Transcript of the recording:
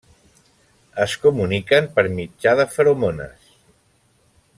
Es comuniquen per mitjà de feromones.